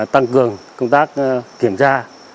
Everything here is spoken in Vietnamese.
tăng cường công tác kiểm tra